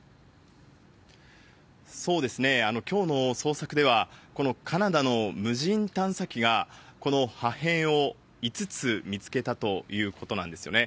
そうですね、きょうの捜索では、このカナダの無人探査機がこの破片を５つ見つけたということなんですよね。